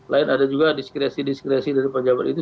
lain ada juga diskresi diskresi dari pejabat itu